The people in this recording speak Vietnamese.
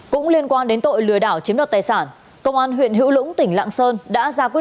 cũng liên quan đến tội lừa đảo chiếm đoạt tài sản công an huyện hữu lũng tỉnh lạng sơn đã ra quyết